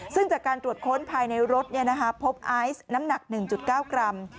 ซึ่งจากการตรวจค้นภายในรถเนี่ยนะครับพบไอซ์น้ำหนักหนึ่งจุดเก้ากรัม